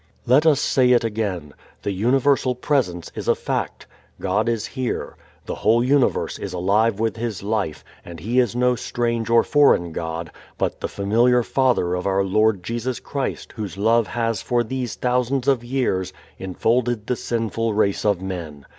Let us say it again: The Universal Presence is a fact. God is here. The whole universe is alive with His life. And He is no strange or foreign God, but the familiar Father of our Lord Jesus Christ whose love has for these thousands of years enfolded the sinful race of men.